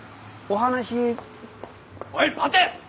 おい待て！